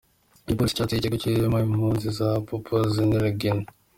Igipolisi cateye ikigo kirimwo impunzi muri Papuasie Nlle Guinee.